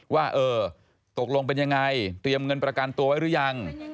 ว่าเออตกลงเป็นยังไงเตรียมเงินประกันตัวไว้หรือยัง